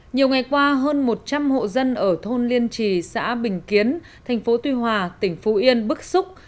nhiều ngày qua hơn một trăm linh hộ dân ở thôn liên trì xã bình kiến thành phố tuy hòa tỉnh phú yên bức xúc